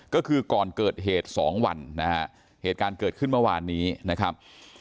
ก็คือก่อนเกิดเหตุสองวันนะฮะเหตุการณ์เกิดขึ้นเมื่อวานนี้นะครับ